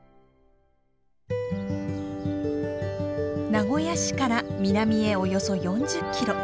名古屋市から南へおよそ４０キロ。